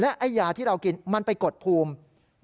ไอ้ยาที่เรากินมันไปกดภูมิ